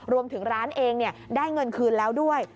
รวมถึงร้านเองได้เงินคืนแล้วด้วย